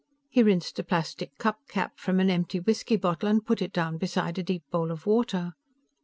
He rinsed a plastic cup cap from an empty whisky bottle and put it down beside a deep bowl of water.